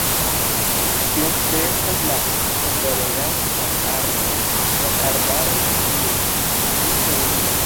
Ĝi ofte estas la superreganta arbo en arbaroj kie ĝi troviĝas.